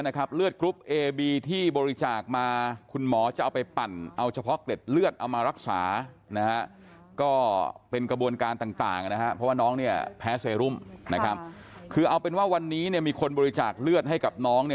แล้วเลือดที่เสียก็จะกลายเป็นเลือดแบบอีกภาวะในกระแสเลือดอะค่ะ